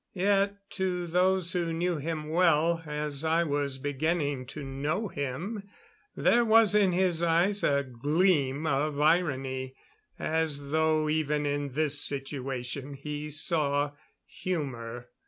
Yet to those who knew him well as I was beginning to know him there was in his eyes a gleam of irony, as though even in this situation he saw humor.